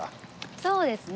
そうですね。